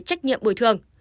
trách nhiệm bồi thường